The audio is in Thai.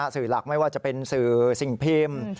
สื่อหลักไม่ว่าจะเป็นสื่อสิ่งพิมพ์